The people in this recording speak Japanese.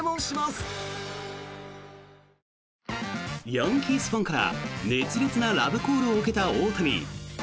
ヤンキースファンから熱烈なラブコールを受けた大谷。